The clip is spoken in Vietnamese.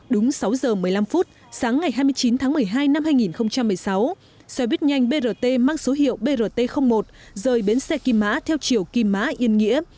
đúng sáu giờ một mươi năm phút sáng ngày hai mươi chín tháng một mươi hai năm hai nghìn một mươi sáu xe buýt nhanh brt mang số hiệu brt một rời bến xe kim mã theo chiều kim mã yên nghĩa